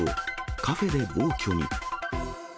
カフェで暴挙に。